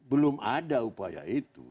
belum ada upaya itu